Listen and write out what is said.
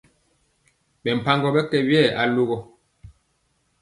Ɓɛ mpagɔ ɓɛ kɛ we oyayoo.